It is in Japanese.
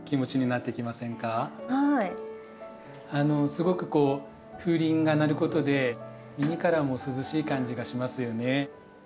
すごくこう風鈴が鳴ることで耳からも涼しい感じがしますよね。